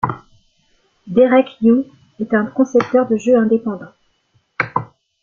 Derek Yu est un concepteur de jeu indépendant.